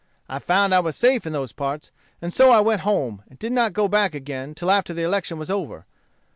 I found I was safe in those parts; and so I went home, and did not go back again till after the election was over.